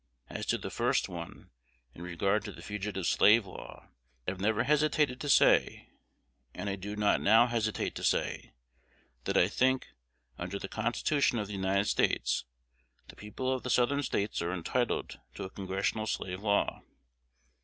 As to the first one, in regard to the Fugitive Slave Law, I have never hesitated to say, and I do not now hesitate to say, that I think, under the Constitution of the United States, the people of the Southern States are entitled to a congressional slave law.